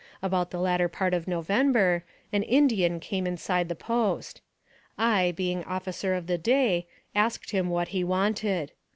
About the latter part of November, an Indian came inside the post. I, being officer of the day, asked him what he wanted.